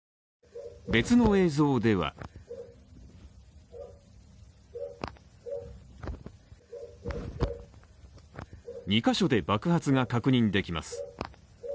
別の映像では２カ所で爆発が確認できます。